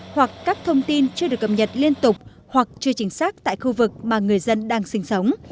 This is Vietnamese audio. hoặc các thông tin chưa được cập nhật liên tục hoặc chưa chính xác tại khu vực mà người dân đang sinh sống